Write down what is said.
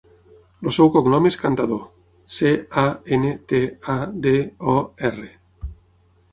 El seu cognom és Cantador: ce, a, ena, te, a, de, o, erra.